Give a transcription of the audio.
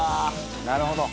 「なるほど！」